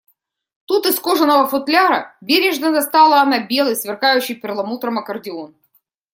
Тут из кожаного футляра бережно достала она белый, сверкающий перламутром аккордеон